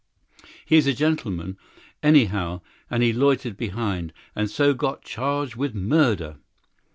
He is a gentleman, anyhow; and he loitered behind and so got charged with murder."